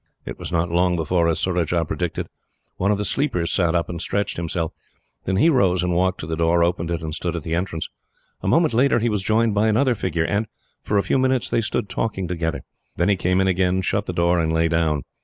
It was not long before, as Surajah predicted, one of the sleepers sat up and stretched himself; then he rose and walked to the door, opened it, and stood at the entrance; a moment later he was joined by another figure, and for a few minutes they stood, talking together. Then he came in again, shut the door, and lay down.